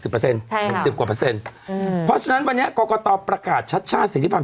เพราะฉะนั้นวันนี้กรกตประกาศชัดชาติสิทธิพันธ